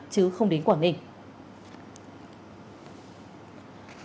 chứ không đến quảng ninh